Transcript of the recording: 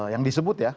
yang disebut ya